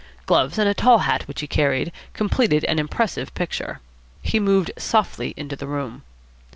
Gloves and a tall hat, which he carried, completed an impressive picture. He moved softly into the room.